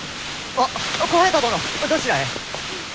あっ小平太殿どちらへ？